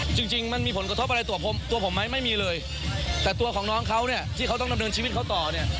จริงจริงมันมีผลกระทบอะไรตัวผมไหมไม่มีเลยแต่ตัวของน้องเขาเนี่ยที่เขาต้องดำเนินชีวิตเขาต่อเนี่ย